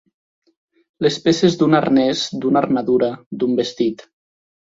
Les peces d'un arnès, d'una armadura, d'un vestit.